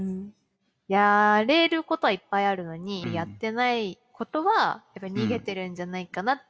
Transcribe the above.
やれることはいっぱいあるのにやってないことはやっぱり逃げてるんじゃないかなって